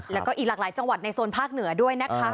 แล้วก็อีกหลากหลายจังหวัดในโซนภาคเหนือด้วยนะคะ